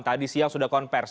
tadi siang sudah konvers